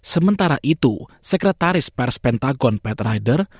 sementara itu sekretaris pers pentagon pat ryder